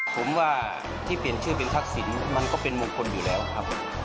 ผมว่าที่เปลี่ยนชื่อเป็นทักษิณมันก็เป็นมงคลอยู่แล้วครับ